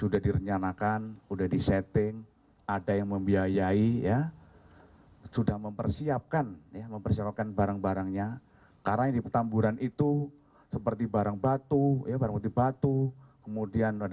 wah kantungnya mana kantungnya ini